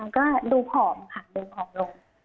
ก็ดูผอมค่ะดูผอมลง